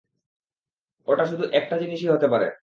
ওটা শুধু একটা জিনিসই হতে পারে।